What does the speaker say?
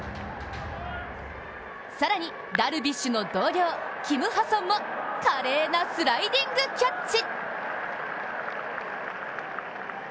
更に、ダルビッシュの同僚キム・ハソンも華麗なスライディングキャッチ。